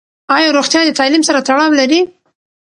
ایا روغتیا د تعلیم سره تړاو لري؟